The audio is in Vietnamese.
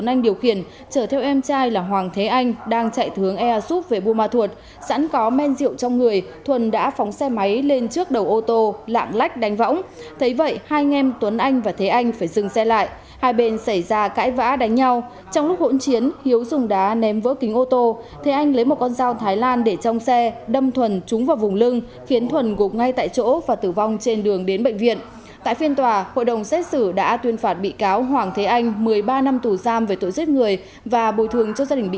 tại phiên tòa hội đồng xét xử đã tuyên phạt bị cáo hoàng thế anh một mươi ba năm tù giam về tội giết người và bồi thường cho gia đình bị hại trên một trăm sáu mươi năm triệu đồng